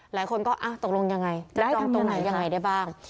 หลายคนก็ตกลงยังไงจะจองตรงไหนยังไงได้บ้าง